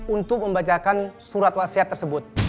untuk membacakan surat wasiat tersebut